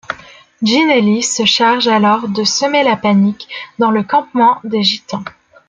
Ginelli se charge alors de semer la panique dans le campement des Gitans.